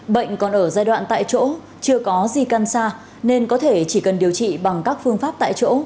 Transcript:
bệnh còn ở giai đoạn tại chỗ chưa có di căn xa nên có thể chỉ cần điều trị bằng các phương pháp tại chỗ